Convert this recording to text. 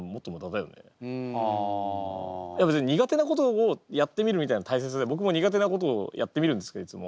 いや別に苦手なことをやってみるみたいなのは大切で僕も苦手なことをやってみるんですけどいつも。